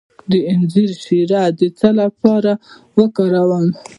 د انځر شیره د څه لپاره وکاروم؟